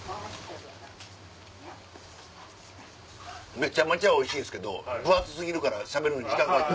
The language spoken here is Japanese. めちゃめちゃおいしいんすけど分厚過ぎるからしゃべるのに時間かかった。